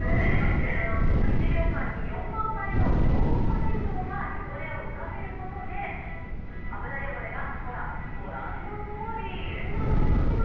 １秒間に４万回の超音波振動が汚れを浮かせることで油汚れがほら、御覧のとおり。